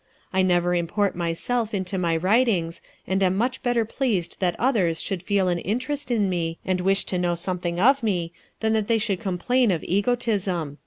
I never import myself into my writings, and am much better pleased that others should feel an interest in me, and wish to know something of me, than that they should complain of egotism."